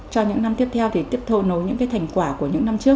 cho những năm tiếp theo thì tiếp thô nối những cái thành quả của những năm trước